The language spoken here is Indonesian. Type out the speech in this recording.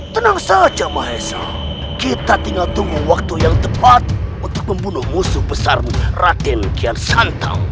tenang saja mahesa kita tinggal tunggu waktu yang tepat untuk membunuh musuh besar ratin kiansantau